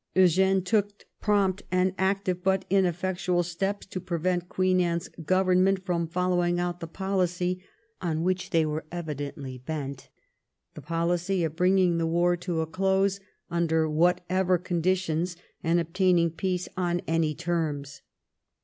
Eugene took prompt and active but ineffectual steps to prevent Queen Anne's Government from following out the policy on which they were evidently bent — the policy of bring ing the war to a close under whatever conditions, and obtaining peace on any terms.